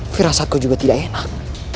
firasat kau juga tidak enak